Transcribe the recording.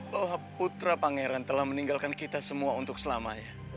bahwa putra pangeran telah meninggalkan kita semua untuk selamanya